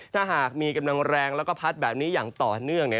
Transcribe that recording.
ถ้าหากมีกำลังแรงแล้วก็พัดแบบนี้อย่างต่อเนื่อง